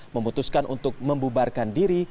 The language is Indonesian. memutuskan untuk membubarkan diri